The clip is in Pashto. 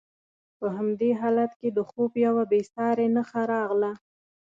په همدې حالت کې د خوب یوه بې ساري نښه راغله.